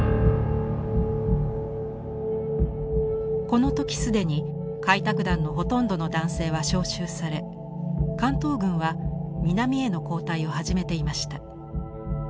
この時既に開拓団のほとんどの男性は召集され関東軍は南への後退を始めていました。